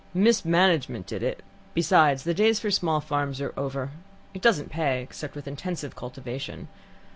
"Mismanagement did it besides, the days for small farms are over. It doesn't pay except with intensive cultivation.